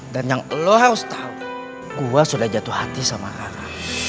dan yang lo harus tau gue sudah jatuh hati sama rara